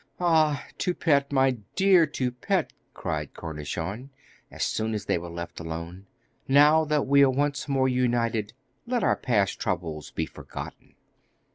'Ah, Toupette: my dear Toupette!' cried Cornichon, as soon as they were left alone; 'now that we are once more united, let our past troubles be forgotten.